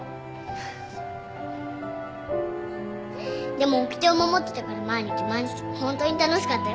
でもおきてを守ってたから毎日毎日ホントに楽しかったよ。